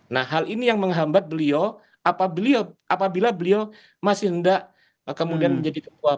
nah hal ini yang menghambat beliau apabila beliau masih hendak kemudian menjadi ketua